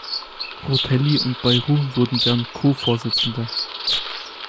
Rutelli und Bayrou wurden deren Ko-Vorsitzende.